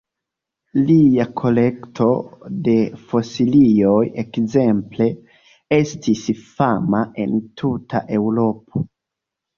Lia kolekto de fosilioj ekzemple estis fama en tuta Eŭropo.